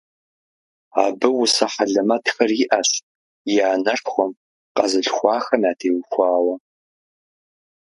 Абы усэ хьэлэмэтхэр иӀэщ и анэшхуэм, къэзылъхуахэм ятеухуауэ.